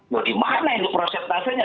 gimana itu presentasinya